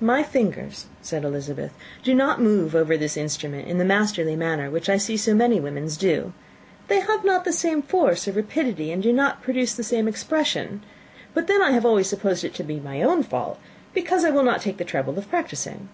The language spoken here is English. "My fingers," said Elizabeth, "do not move over this instrument in the masterly manner which I see so many women's do. They have not the same force or rapidity, and do not produce the same expression. But then I have always supposed it to be my own fault because I would not take the trouble of practising.